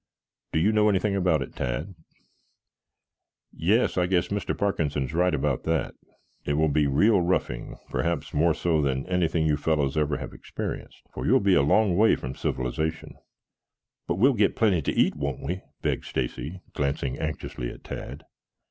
Do you know anything about it, Tad?" "Yes. I guess Mr Parkinson is right about that. It will be real roughing, perhaps more so than anything you fellows ever have experienced, for you will be a long way from civilization." "But we'll get plenty to eat, won't we?" begged Stacy, glancing anxiously at Tad.